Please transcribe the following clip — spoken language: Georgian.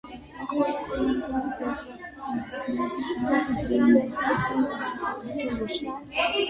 იყო ეკონომიკურ-გეოგრაფიული მეცნიერების ფუძემდებელი საქართველოში.